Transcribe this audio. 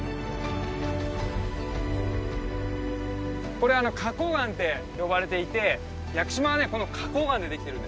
これ花崗岩って呼ばれていて屋久島はこの花崗岩でできてるんですよ。